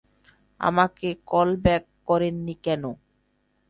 আমাকে কলব্যাক করেননি কেন?